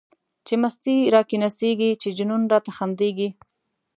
چی مستی را کی نڅیږی، چی جنون راته خندیږی